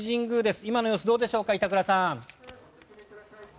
今の様子どうでしょうか板倉さん。